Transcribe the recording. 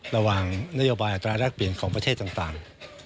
ระหว่างนโยบายอัตราแรกเปลี่ยนของประเทศต่าง